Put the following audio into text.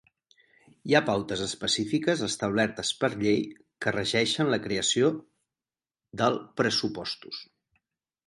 Hi ha pautes específiques establertes per llei que regeixen la creació del pressupostos.